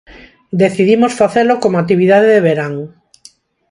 Decidimos facelo como actividade de verán.